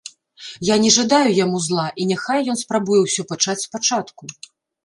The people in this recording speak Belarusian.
Я не жадаю яму зла, і няхай ён спрабуе ўсё пачаць спачатку.